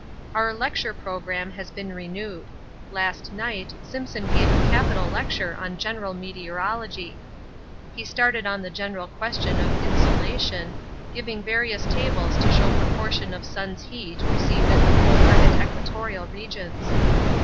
Our lecture programme has been renewed. Last night Simpson gave a capital lecture on general meteorology. He started on the general question of insolation, giving various tables to show proportion of sun's heat received at the polar and equatorial regions.